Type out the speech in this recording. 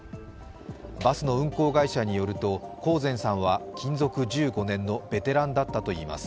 バスの運行会社によると、興膳さんは勤続１５年のベテランだったといいます。